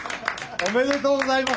おめでとうございます。